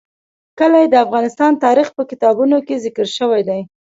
کلي د افغان تاریخ په کتابونو کې ذکر شوی دي.